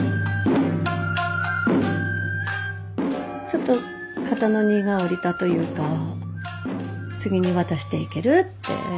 ちょっと肩の荷が下りたというか次に渡していけるって。